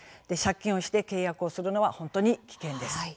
借金をして契約をするのは本当に危険です。